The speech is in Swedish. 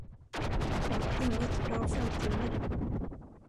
Hon var inget bra fruntimmer.